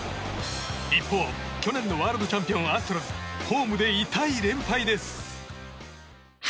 一方、去年のワールドチャンピオンアストロズはホームで痛い連敗です。